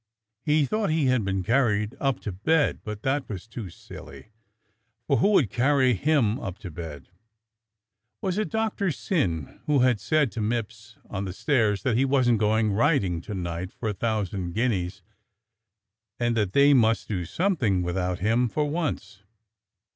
He thought he had been carried up to bed, but that was too silly, for who would carry him up to bed.^^ Was it Doctor Syn who had said to Mipps on the stairs that he wasn't going riding to night for a thousand guineas, and that they must do without him for once.